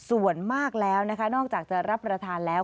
ส่วนมากแล้วนะคะนอกจากจะรับประทานแล้ว